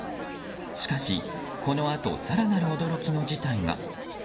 しかし、このあと更なる驚きの事態が。